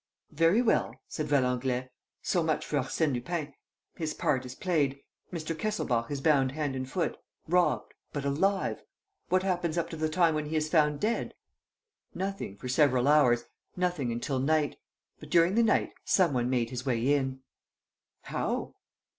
"Very well," said Valenglay. "So much for Arsène Lupin. His part is played. Mr. Kesselbach is bound hand and foot, robbed, but alive! ... What happens up to the time when he is found dead?" "Nothing, for several hours, nothing until night. But, during the night, some one made his way in." "How?"